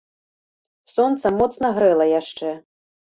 Сонца моцна грэла яшчэ.